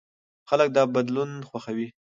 خلک دا بدلون خوښوي.